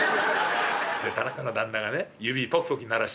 田中の旦那がね指ポキポキ鳴らしながら」。